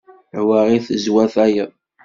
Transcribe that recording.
Tawaɣit tezwar tayeḍ.